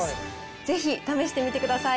ぜひ試してみてください。